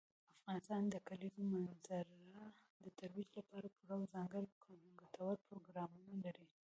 افغانستان د کلیزو منظره د ترویج لپاره پوره او ځانګړي ګټور پروګرامونه لري.